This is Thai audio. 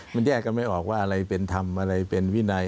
มันแยกกันไม่ออกว่าอะไรเป็นทำอะไรเป็นวินัย